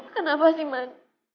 kenapa sih man